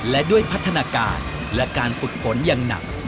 และด้วยพัฒนาการและการฝึกฝนอย่างหนัก